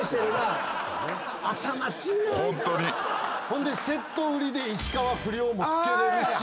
ほんでセット売りで石川不遼も付けれるし。